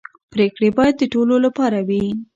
پرېکړې باید د ټولو لپاره وي